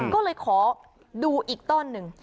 ก็เลยขอดูอีกต้นหนึ่ง